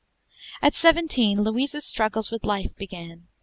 At seventeen, Louisa's struggle with life began.